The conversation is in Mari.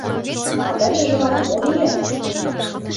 — А тачыже вара мо лие?